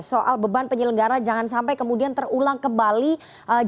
soal beban penyelenggara jangan sampai kemudian terulang kembali